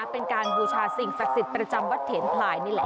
เป็นการบูชาสิ่งศักดิ์สิทธิ์ประจำวัดเถนพลายนี่แหละ